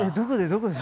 どこで？